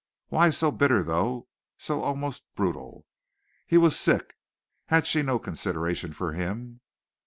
Why so bitter though so almost brutal? He was sick. Had she no consideration for him?